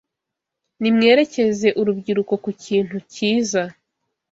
Nimwerekeze urubyiruko ku kintu cyiza